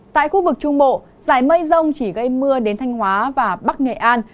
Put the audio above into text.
tại khu vực trung bộ giải mây rông chỉ gây mưa đến thanh hóa và bắc nghệ an